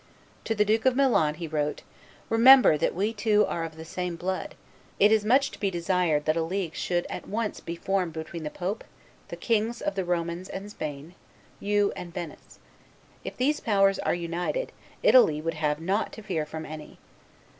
To the Duke of Milan he wrote, "Remember that we two are of the same blood. It is much to be desired that a league should at once be formed between the pope, the kings of the Romans and Spain, you, and Venice. If these powers are united, Italy would have nought to fear from any.